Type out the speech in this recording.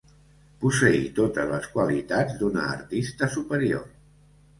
Posseí totes les qualitats d'una artista superior.